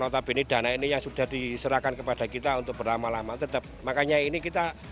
notabene dana ini yang sudah diserahkan kepada kita untuk berlama lama tetap makanya ini kita